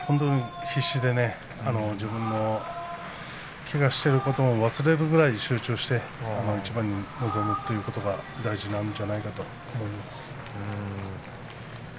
自分がけがしていることも忘れるくらい集中して一番に集中するのが大事なんじゃないかと思います。